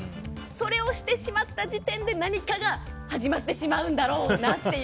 それをしてしまった時点で何かが始まってしまうんだろうなっていう。